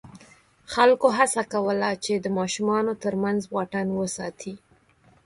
خلکو هڅه کوله چې د ماشومانو تر منځ واټن وساتي.